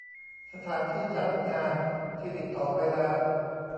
สถานที่จัดงานที่ติดต่อไว้แล้ว